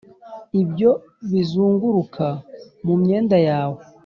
ibyo bizunguruka mu myenda yawe